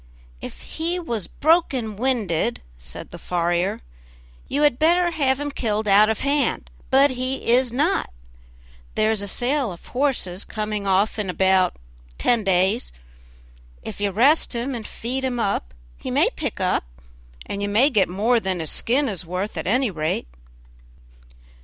"If he was broken winded," said the farrier, "you had better have him killed out of hand, but he is not; there is a sale of horses coming off in about ten days; if you rest him and feed him up he may pick up, and you may get more than his skin is worth, at any rate."